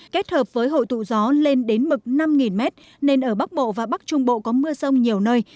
kết hợp với hội tụ gió lên đến mực năm m nên ở bắc bộ và bắc trung bộ có mưa rông nhiều nơi